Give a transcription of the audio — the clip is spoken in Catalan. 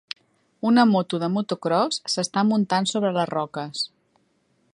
Una moto de motocròs s'està muntant sobre les roques